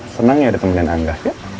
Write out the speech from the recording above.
senang ya ditemaniin engga